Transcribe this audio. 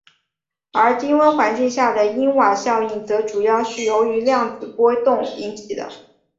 而低温环境下的因瓦效应则主要是由于量子波动引起的。